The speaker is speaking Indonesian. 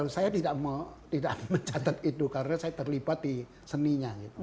saya tidak mencatat itu karena saya terlibat di seninya